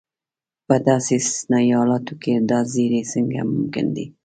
په داسې استثنایي حالتو کې دا زیری څنګه ممکن دی.